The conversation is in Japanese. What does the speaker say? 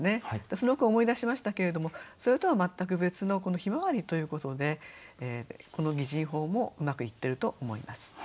その句を思い出しましたけれどもそれとは全く別のこの「向日葵」ということでこの擬人法もうまくいってると思います。